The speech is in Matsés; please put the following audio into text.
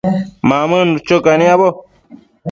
Mamënnu cho caniabo